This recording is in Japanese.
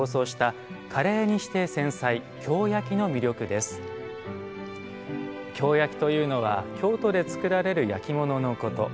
まずご覧頂くのは京焼というのは京都で作られる焼き物のこと。